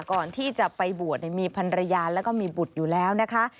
ก่อนที่จะไปบวชมีพันรยาแล้วก็มีบุตรอยู่แล้วนะคะ